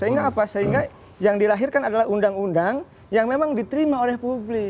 sehingga apa sehingga yang dilahirkan adalah undang undang yang memang diterima oleh publik